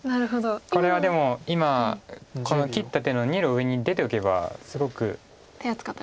これはでも今この切った手の２路上に出ておけばすごく手厚かった。